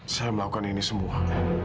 saya melakukan ini semua